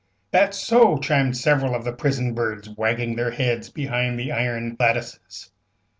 "That's so!" chimed several of the prison birds, wagging their heads behind the iron lattices.